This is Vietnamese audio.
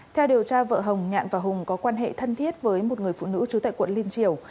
theo điều tra vợ hồng nhạn và hùng có quan hệ thân thiết với một người phụ nữ trú tại quận liên triều